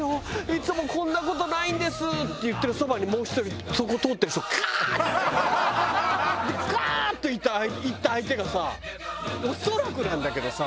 「いつもこんな事ないんです」って言ってるそばにもう１人そこ通ってる人カーッ！でガーッ！といった相手がさ恐らくなんだけどさ。